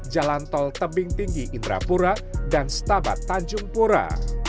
jalan tol tebing tinggi indrapura dan setabat tanjung pura